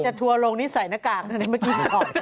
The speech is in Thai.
จะทัวร์ลงนี่ใส่หน้ากากนั่นไงเมื่อกี้